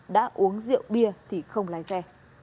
đã uống rượu bia thì không lái xe